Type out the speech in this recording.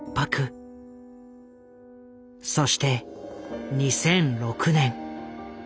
そして２００６年。